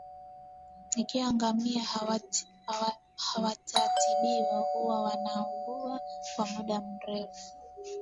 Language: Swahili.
ikiwa ngamia hawatatibiwa Huwa wanaugua kwa muda mrefu